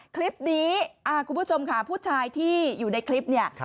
คลิปนี้คุณผู้ชมค่ะผู้ชายที่อยู่ในคลิปเนี่ย